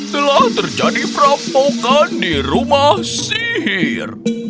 telah terjadi perampokan di rumah sihir